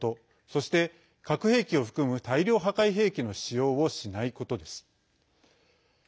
そして、核兵器を含む大量破壊兵器の使用をしないことです。